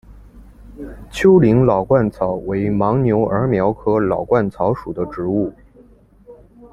丘陵老鹳草为牻牛儿苗科老鹳草属的植物。